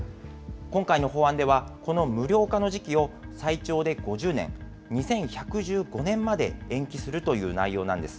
今回の法案では、この無料化の時期を最長で５０年、２１１５年まで延期するという内容なんです。